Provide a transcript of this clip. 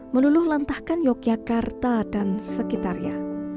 meluluh lantahkan yogyakarta dan sekitarnya